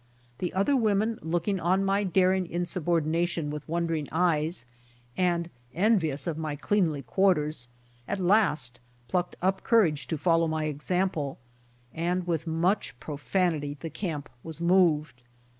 The other women looked on my daring insubordination with wondering eyes, and, envious of my cleanly quarters, at last plucked up courage to follow my example, and with much profanity the camp w^as moved.